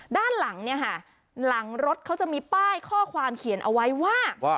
ด้านหลังเนี่ยค่ะหลังรถเขาจะมีป้ายข้อความเขียนเอาไว้ว่า